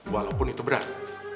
walaupun itu berat